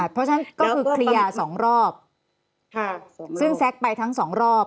เพราะฉะนั้นก็คือเคลียร์สองรอบซึ่งแซ็กไปทั้งสองรอบ